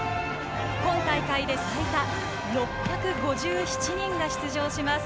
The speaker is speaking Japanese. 今大会で最多６５７人が出場します。